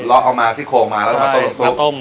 เราเอามาซิกโครงมาแล้วต้ม